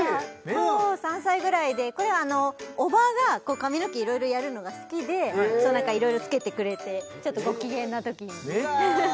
そう３歳ぐらいでこれはおばが髪の毛いろいろやるのが好きでいろいろつけてくれてちょっとご機嫌なときに・えっ！